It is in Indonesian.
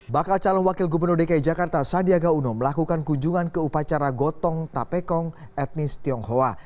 bakal calon wakil gubernur dki jakarta sandiaga uno melakukan kunjungan ke upacara gotong tapekong etnis tionghoa